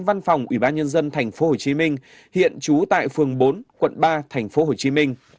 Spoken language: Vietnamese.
văn phòng ủy ban nhân dân tp hcm hiện trú tại phường bốn quận ba tp hcm